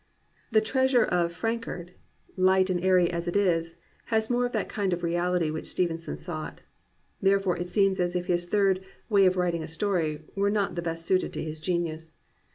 The Treasure of Franchard, light and airy as it is, has more of that kind of reality which Stevenson sought. Therefore it seems as if his third "way of writing a story" were not the best suited to his genius.